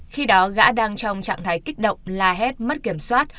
khi đó gã đang trong trạng thái kích động la hét mất kiểm soát